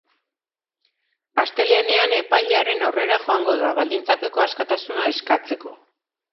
Astelehenean epailaren aurrera joango da, baldintzapeko askatasuna eskatzeko.